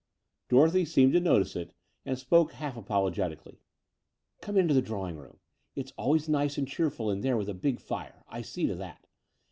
Dorothy seemed to notice it, and spoke half apologetically. '* Come into the drawing room. It's always nice and cheerful in there with a big fire— I see to that.